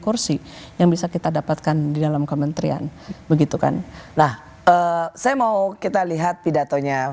kursi yang bisa kita dapatkan di dalam kementerian begitu kan nah saya mau kita lihat pidatonya